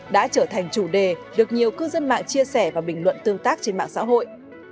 đã trở thành chủ đề được nhiều cư dân mạng chia sẻ và bình luận tương tác trên mạng xã hội